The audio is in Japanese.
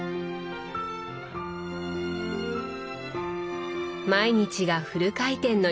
毎日がフル回転の忙しさ。